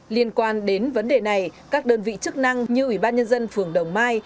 liên quan đến vấn đề này các đơn vị chức năng như ủy ban nhân dân phường đồng mai